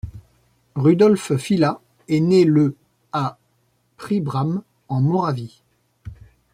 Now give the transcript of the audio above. Rudolf Fila est né le à Príbram en Moravie.